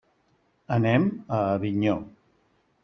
Anem a Avinyó.